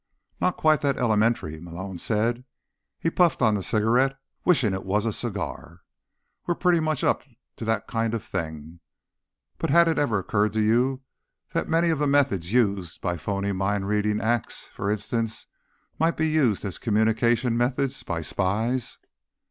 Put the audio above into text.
"Not quite that elementary," Malone said. He puffed on the cigarette, wishing it was a cigar. "We're pretty much up to that kind of thing. But had it ever occurred to you that many of the methods used by phony mind reading acts, for instance, might be used as communication methods by spies?"